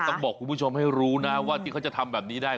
ต้องบอกคุณผู้ชมให้รู้นะว่าที่เขาจะทำแบบนี้ได้